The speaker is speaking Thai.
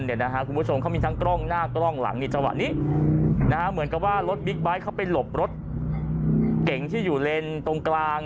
คุณผู้ชมเขามีทั้งกล้องหน้ากล้องหลังนี่จังหวะนี้เหมือนกับว่ารถบิ๊กไบท์เขาไปหลบรถเก่งที่อยู่เลนตรงกลาง